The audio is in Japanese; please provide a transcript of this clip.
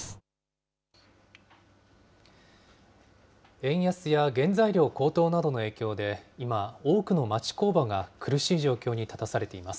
円安や原材料高騰などの影響で、今、多くの町工場が苦しい状況に立たされています。